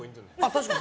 確かに。